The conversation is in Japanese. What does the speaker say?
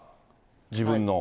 自分の。